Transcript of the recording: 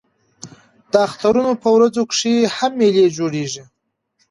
د اخترونو په ورځو کښي هم مېلې جوړېږي.